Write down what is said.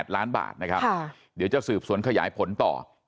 ๘ล้านบาทนะครับเดี๋ยวจะสืบสวนขยายผลต่อ